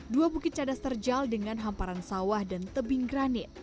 dua bukit cadas terjal dengan hamparan sawah dan tebing granit